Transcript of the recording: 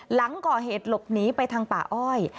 หลังก่อเหตุหลบหนีไปทางป่าอ้อย